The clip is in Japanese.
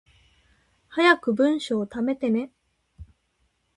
早く文章溜めてね